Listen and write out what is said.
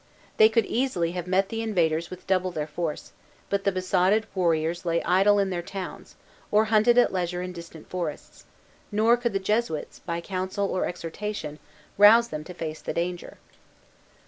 They could easily have met the invaders with double their force, but the besotted warriors lay idle in their towns, or hunted at leisure in distant forests; nor could the Jesuits, by counsel or exhortation, rouse them to face the danger.